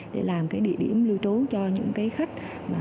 để làm địa điểm lưu trú cho những khách